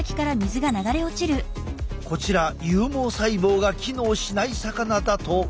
こちら有毛細胞が機能しない魚だと。